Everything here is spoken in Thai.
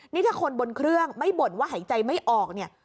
นี่ถ้าคนบนเครื่องไม่บ่นว่าหายใจไม่ออกเนี่ย